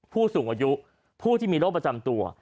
ผู้สูงอายุผู้ที่มีโรคประจำตัว